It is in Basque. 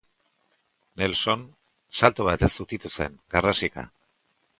Nelson salto batez zutitu zen, garrasika.